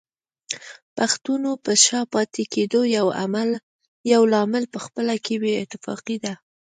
پښتنو په شا پاتې کېدلو يو لامل پخپله کې بې اتفاقي ده